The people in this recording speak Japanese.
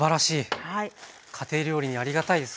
家庭料理にありがたいですねこれは。